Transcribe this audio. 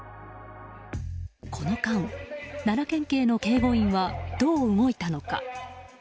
この間、奈良県警の警護員はどう動いたのか。